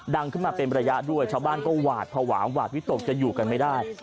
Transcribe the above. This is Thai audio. ดังขึ้นมาเป็นระยะด้วยชาวบ้านก็หวาดภาวะหวาดวิตกจะอยู่กันไม่ได้